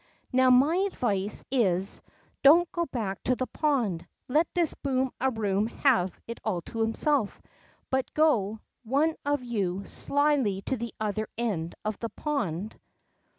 Now, my advice is, don't go back to the pond, let this Boom a Room have it all to himself, but go, one of you, slyly to the other end of the pond.